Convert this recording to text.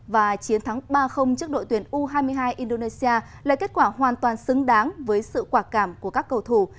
và chiến thắng ba trước đội tuyển u hai mươi hai indonesia là kết quả hoàn toàn xứng đáng với sự quả cảm của các cầu thủ